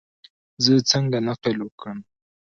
زه څنګه نقل وکم؟